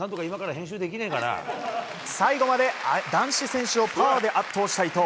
最後まで男子選手をパワーで圧倒した伊藤。